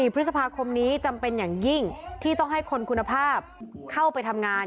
พฤษภาคมนี้จำเป็นอย่างยิ่งที่ต้องให้คนคุณภาพเข้าไปทำงาน